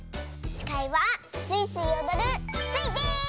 しかいはスイスイおどるスイです！